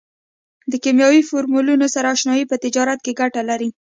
د کیمیاوي فورمولونو سره اشنایي په تجارت کې ګټه لري.